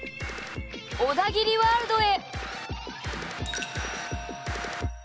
小田切ワールドへ！